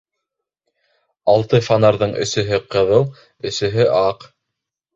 Алты фонарҙың өсөһө ҡыҙыл, өсөһө аҡ.